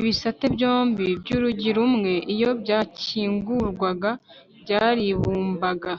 ibisate byombi by’urugi rumwe iyo byakingurwaga byaribumbaga